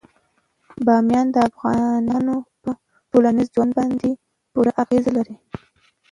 بامیان د افغانانو په ټولنیز ژوند باندې پوره اغېز لري.